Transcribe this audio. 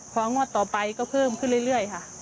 พองวดต่อไปก็เพิ่มขึ้นเรื่อยค่ะ